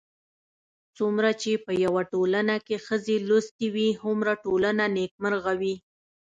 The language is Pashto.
څومره چې په يوه ټولنه کې ښځې لوستې وي، هومره ټولنه نېکمرغه وي